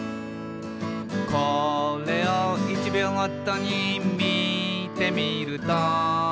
「これを１秒ごとにみてみると」